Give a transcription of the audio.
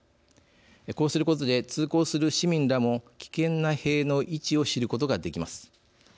こうすることで通行する市民らも危険な塀の位置を知ることができます。